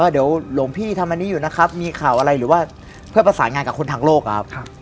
เดี๋ยวหลวงพี่ทำอันนี้อยู่นะครับมีข่าวอะไรหรือว่าเพื่อประสานงานกับคนทางโลกครับ